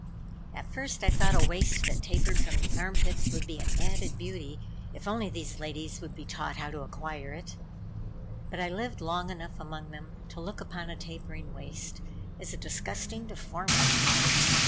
At first I thought a waist that tapered from the arm pits would be an added beauty, if only these ladies would be taught how to acquire it. But I lived long enough among them to look upon a tapering waist as a disgusting deformity.